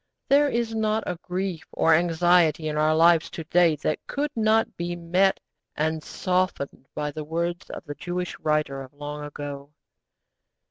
There is not a grief or anxiety in our lives to day that could not be met and softened by the words of the Jewish writer of long ago.